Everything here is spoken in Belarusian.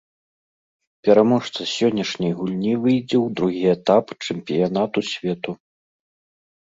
Пераможца сённяшняй гульні выйдзе ў другі этап чэмпіянату свету.